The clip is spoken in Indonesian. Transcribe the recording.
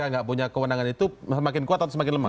nggak punya kewenangan itu semakin kuat atau semakin lemah